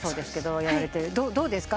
どうですか？